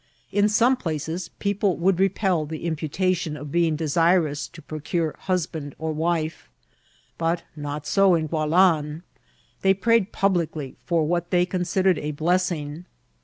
In some places people would repel the imputation of being desirous to procure husband or wife; not so in Gualan : they prayed publicly for what they considered a bless ing.